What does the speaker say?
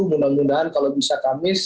mudah mudahan kalau bisa kamis